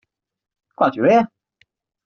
Glad you're here.